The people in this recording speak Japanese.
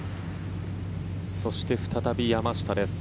そして、再び山下です。